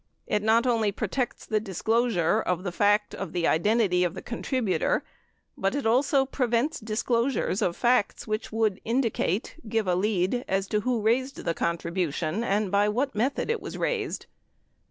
It not only protects the disclosure of the fact of the identity of the con tributor but it also prevents disclosures of facts which would indicate — give a lead as to who raised the contribution and by what method it was raised.